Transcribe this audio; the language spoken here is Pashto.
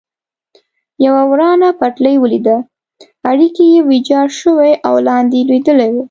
یوه ورانه پټلۍ ولیده، اړیکي یې ویجاړ شوي او لاندې لوېدلي و.